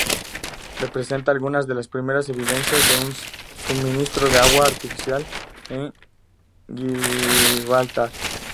Representa algunas de las primeras evidencias de un suministro de agua artificial en Gibraltar.